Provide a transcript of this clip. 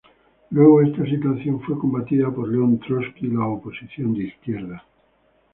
Luego esta situación fue combatida por León Trotsky y la Oposición de Izquierdas.